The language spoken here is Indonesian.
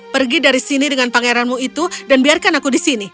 pergi dari sini dengan pangeranmu itu dan biarkan aku di sini